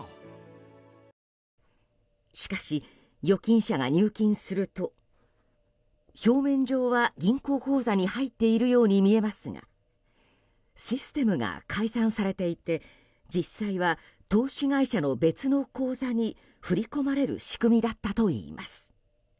しかし、預金者が入金すると表面上は銀行口座に入っているように見えますがシステムが改ざんされていて実際は投資会社の別の口座に振り込まれる仕組みだったといいます。